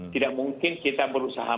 tidak mungkin kita berusaha